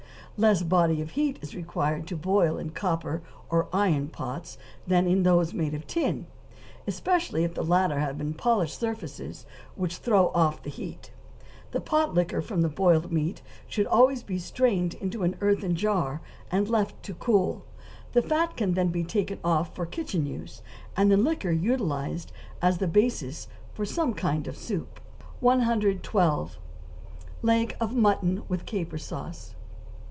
Less body of heat is required to boil in copper or iron pots, than in those made of tin, especially if the latter have polished surfaces which throw off the heat. The pot liquor from boiled meat should always be strained into an earthen jar and left to cool; the fat can then be taken off for kitchen use, and the liquor utilized as the basis for some kind of soup. 112. =Leg of Mutton with Caper Sauce.